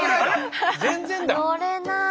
乗れない。